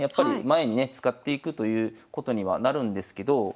前にね使っていくということにはなるんですけど。